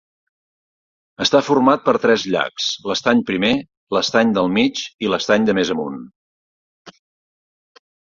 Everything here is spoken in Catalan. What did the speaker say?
Està format per tres llacs, l'estany primer, l'estany del mig i l'estany de més amunt.